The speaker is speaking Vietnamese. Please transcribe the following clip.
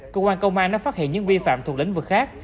cơ quan công an đã phát hiện những vi phạm thuộc lĩnh vực khác